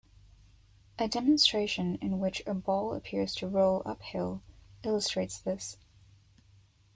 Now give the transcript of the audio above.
A demonstration in which a ball appears to roll uphill illustrates this.